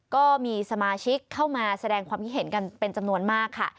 ก็มีสมาชิกเข้ามาแสดงความคิดเห็นกันเป็นจำนวนมากค่ะ